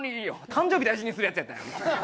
誕生日大事にするヤツやったんや！